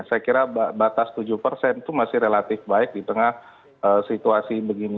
saya kira batas tujuh persen itu masih relatif baik di tengah situasi begini